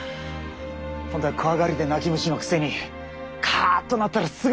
本当は怖がりで泣き虫のくせにカッとなったらすぐ突っ走る。